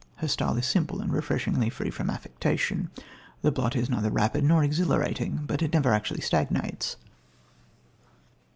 Her style is simple and refreshingly free from affectation. The plot is neither rapid nor exhilarating, but it never actually stagnates.